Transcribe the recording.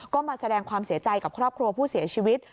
ก็มาแสดงความเสียใจกับครอบครัวผู้เสียชีวิต